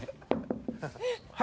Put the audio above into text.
はい。